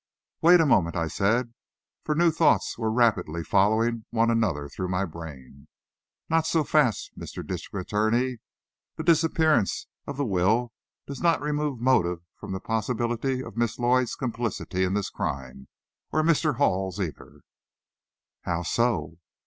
"Wait a moment," I said, for new thoughts were rapidly following one another through my brain. "Not so fast, Mr. District Attorney. The disappearance of the will does not remove motive from the possibility of Miss Lloyd's complicity in this crime or Mr. Hall's either." "How so?"